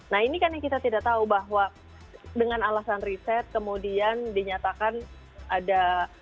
nah ini kan yang kita tidak tahu bahwa dengan alasan riset kemudian dinyatakan ada